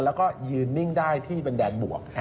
แล้วก็ยืนนิ่งได้ที่เป็นแดนบวก